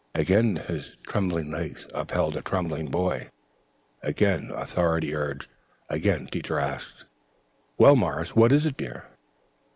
Again his trembling legs upheld a trembling boy. Again authority urged. Again Teacher asked: "Well, Morris, what is it, dear?"